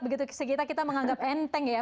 begitu kita menganggap enteng ya